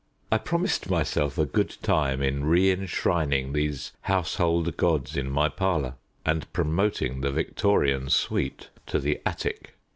I promised myself a good time in re enshrining these household gods in my parlour, and promoting the Victorian suite to the attic.